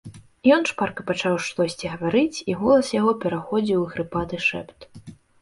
Ён шпарка пачаў штосьці гаварыць, і голас яго пераходзіў у хрыпаты шэпт.